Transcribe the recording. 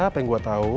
apa yang gue tau